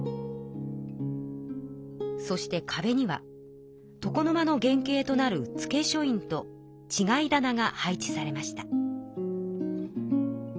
そしてかべにはとこのまの原型となる付書院とちがい棚が配置されました。